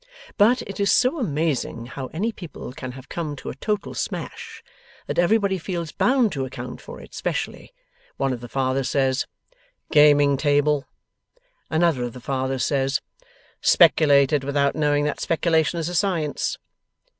But, it is so amazing how any people can have come to a total smash, that everybody feels bound to account for it specially. One of the Fathers says, 'Gaming table.' Another of the Fathers says, 'Speculated without knowing that speculation is a science.